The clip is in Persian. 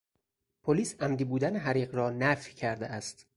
پلیس عمدی بودن حریق را نفی کرده است.